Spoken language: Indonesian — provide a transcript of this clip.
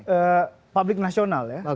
ya publik nasional ya